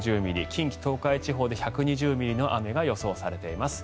近畿・東海地方で１２０ミリの雨が予想されています。